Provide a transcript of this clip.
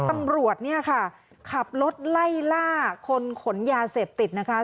ตำรวจเนี่ยค่ะขับรถไล่ล่าคนขนยาเสพติดนะคะ